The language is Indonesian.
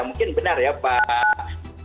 mungkin benar ya pak